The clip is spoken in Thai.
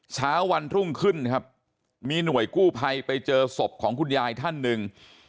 เช้าวันรุ่งขึ้นครับมีหน่วยกู้ภัยไปเจอศพของคุณยายท่านหนึ่ง